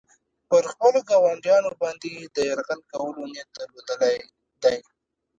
پر خپلو ګاونډیانو باندې یې د یرغل کولو نیت درلودلی دی.